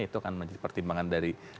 itu akan menjadi pertimbangan dari